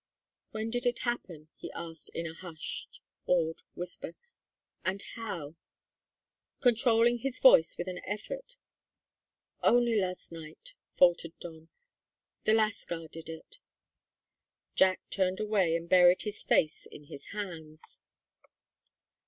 "When did it happen?" he asked in a hushed, awed whisper. "And how?" Controlling his voice with an effort, "Only last night," faltered Don; "the lascar did it." Jack turned away and buried his face in his hands.